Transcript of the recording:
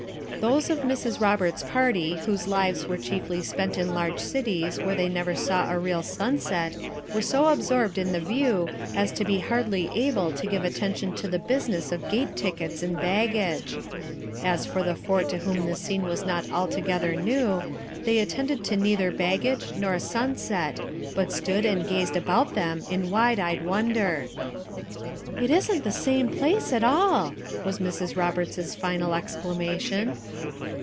Those of Mrs. Roberts's party whose lives were chiefly spent in large cities where they never saw a real sunset were so absorbed in the view as to be hardly able to give attention to the business of gate tickets and baggage. As for the four to whom the scene was not alto gether new, they attended to neither baggage, nor sunset, but stood and gazed about them in wide eyed wonder. "It isn't the same place at all!" was Mrs. Roberts's final exclamation.